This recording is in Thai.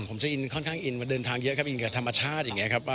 ผมจะอินค่อนข้างอินมาเดินทางเยอะครับอินกับธรรมชาติอย่างนี้ครับ